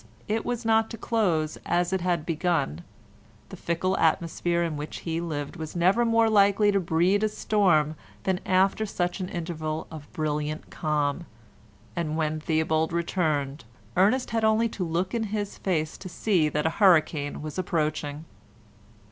it was not to close as it had begun; the fickle atmosphere in which he lived was never more likely to breed a storm than after such an interval of brilliant calm, and when Theobald returned Ernest had only to look in his face to see that a hurricane was approaching.